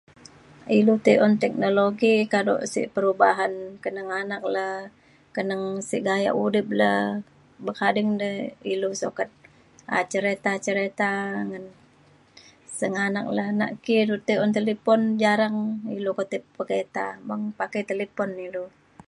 ilu tei un teknologi kado sik perubahan keneng anak le keneng sik gayak udip le bekading de ilu sukat um cerita cerita ngan sengganak le nak ki lu tei un talipon jarang ilu ketai paketa beng pakai talipon ilu